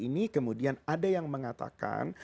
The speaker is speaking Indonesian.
ini kemudian ada yang mengatakan